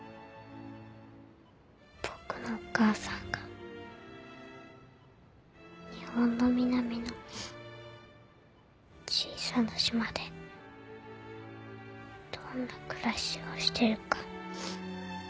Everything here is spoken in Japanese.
僕のお母さんが日本の南の小さな島でどんな暮らしをしてるか。